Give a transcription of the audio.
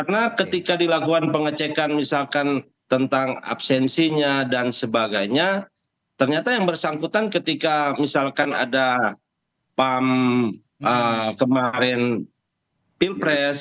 karena ketika dilakukan pengecekan misalkan tentang absensinya dan sebagainya ternyata yang bersangkutan ketika misalkan ada pam kemarin pilpres